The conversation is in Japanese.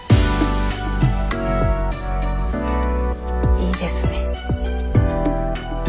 いいですね。